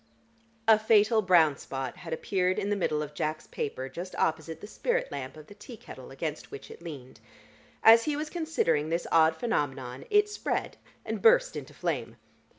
A fatal brown spot had appeared in the middle of Jack's paper just opposite the spirit lamp of the tea kettle against which it leaned. As he was considering this odd phenomenon, it spread and burst into flame.